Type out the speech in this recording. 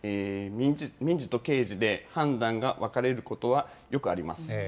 民事と刑事で判断が分かれることはよくあります。